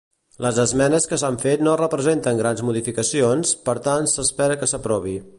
Les esmenes que s'han fet no representen grans modificacions, per tant s'espera que s'aprovi.